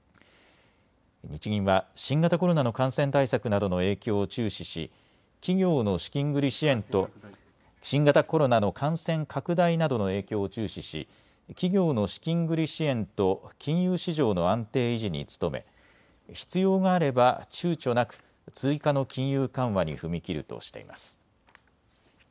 日銀は新型コロナの感染対策などの影響を注視し企業の資金繰り支援と新型コロナの感染拡大などの影響を注視し企業の資金繰り支援と金融市場の安定維持に努め必要があればちゅうちょなく追加の金融緩和に踏み切るとしています。